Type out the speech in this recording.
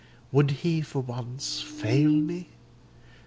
"Would he for once fail me?